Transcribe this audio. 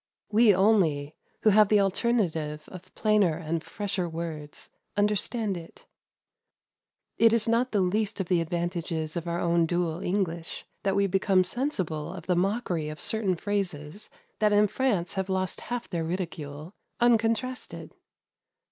We only, who have the alternative of plainer and fresher words, understand it. It is not the least of the advantages of our own dual English that we become sensible of the mockery of certain phrases that in France have lost half their ridicule, uncontrasted.